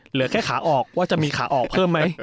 เหลือแค่ขาออกว่าจะมีขาออกเพิ่มไหม